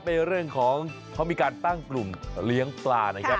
เรื่องของเขามีการตั้งกลุ่มเลี้ยงปลานะครับ